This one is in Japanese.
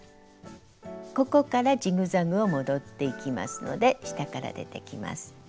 ここからジグザグを戻っていきますので下から出てきます。